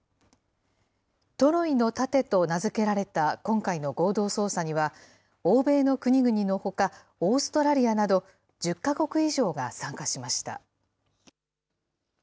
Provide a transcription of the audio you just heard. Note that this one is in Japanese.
トロイの盾と名付けられた今回の合同捜査には、欧米の国々のほかオーストラリアなど、１０か国以上が参加しました。